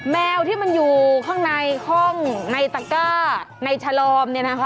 แมวที่มันอยู่ข้างในห้องในตะก้าในฉลอมเนี่ยนะคะ